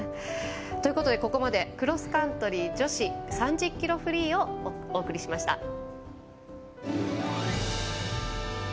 ここまでクロスカントリー女子３０ｋｍフリーをお送りしました。